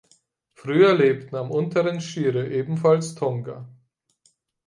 Früher lebten am unteren Shire ebenfalls Tonga.